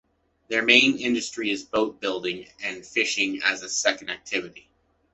Their main industry is boat building, with fishing as a secondary activity.